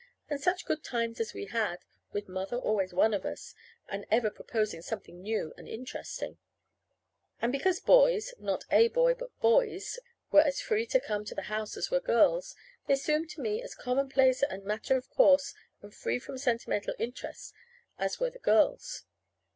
And such good times as we had, with Mother always one of us, and ever proposing something new and interesting! And because boys not a boy, but boys were as free to come to the house as were girls, they soon seemed to me as commonplace and matter of course and free from sentimental interest as were the girls.